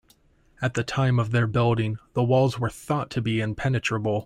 At the time of their building, the walls were thought to be impenetrable.